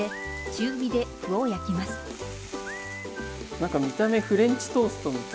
何か見た目フレンチトーストみたい。